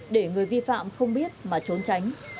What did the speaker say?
để người vi phạm không biết mà trốn tránh